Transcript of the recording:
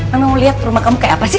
aku mau lihat rumah kamu kayak apa sih